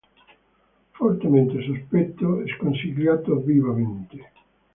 Fortemente sospetto, sconsigliato vivamente!